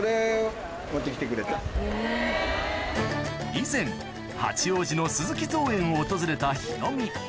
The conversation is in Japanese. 以前八王子の鈴木造園を訪れたヒロミ